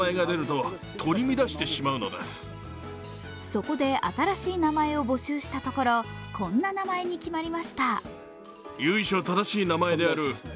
そこで、新しい名前を募集したところこんな名前に決まりました。